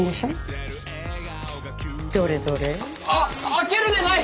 開けるでない！